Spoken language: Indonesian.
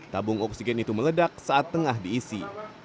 tabung oksigen itu meledak saat tengah diisi